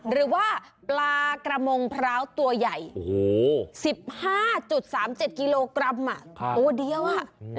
หรือว่าปลากระมงพร้าวตัวใหญ่๑๕๓๗กิโลกรัมตัวเดียว